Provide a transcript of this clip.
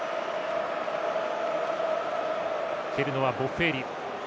蹴るのはボッフェーリ。